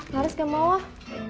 laras nggak mau ah